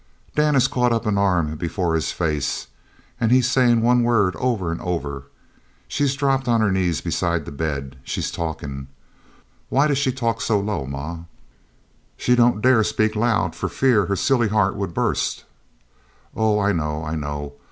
"Dan has caught an arm up before his face, an' he's sayin' one word over an' over. She's dropped on her knees beside the bed. She's talkin'. Why does she talk so low, ma?" "She don't dare speak loud for fear her silly heart would bust. Oh, I know, I know!